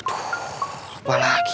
aduh lupa lagi